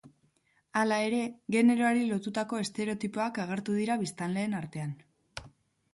Hala ere, generoari lotutako estereotipoak agertu dira biztanleen artean.